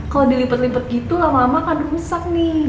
kalau dilipet lipet gitu lama lama akan rusak nih